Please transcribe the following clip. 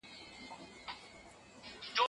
ایله پوه د خپل وزیر په مُدعا سو